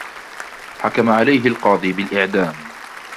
حكم عليه القاضي بالإعدام.